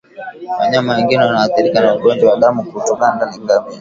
Wanyama wengine wanaoathirika na ugonjwa wa damu kutoganda ni ngamia